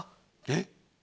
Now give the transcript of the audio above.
えっ？